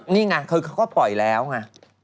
นี่ไงคือเขาก็ปล่อยแล้วไง